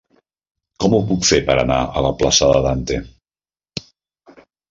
Com ho puc fer per anar a la plaça de Dante?